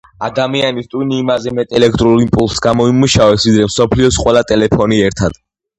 ადამიანის ტვინი იმაზე მეტ ელექტრულ იმპულსს გამოიმუშავებს, ვიდრე მსოფლიოს ყველა ტელეფონი ერთად.